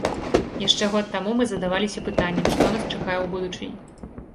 Яшчэ год таму мы задаваліся пытаннем, што нас чакае ў будучыні.